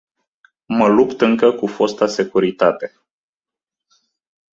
Mă lupt încă cu fosta securitate.